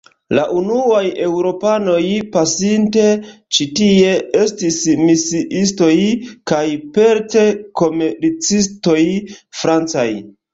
La unuaj Eŭropanoj pasinte ĉi-tie estis misiistoj kaj pelt-komercistoj francaj.